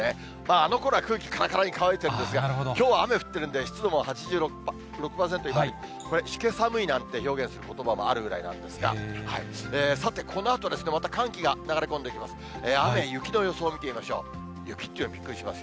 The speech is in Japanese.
あのころは空気からからに乾いてるんですが、きょうは雨降ってるんで、湿度も８６％、これしけ寒いなんていうことばもあるぐらいなんですが、さて、このあとですね、また寒気が流れ込んできます。